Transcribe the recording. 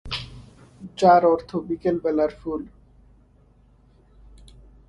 যার অর্থ বিকেল বেলার ফুল।